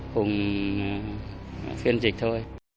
hùng khuyên dịch thôi